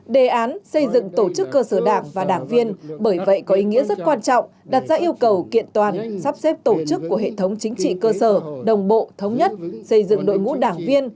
đề án xây dựng tổ chức cơ sở đảng và đảng viên bởi vậy có ý nghĩa rất quan trọng đặt ra yêu cầu kiện toàn sắp xếp tổ chức của hệ thống chính trị cơ sở đồng bộ thống nhất xây dựng đội ngũ đảng viên